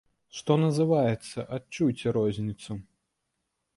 Што называецца, адчуйце розніцу.